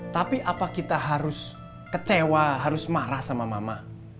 tapi apa kita harus kecewa harus marah sama mama